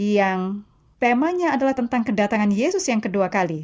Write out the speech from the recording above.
yang temanya adalah tentang kedatangan yesus yang kedua kali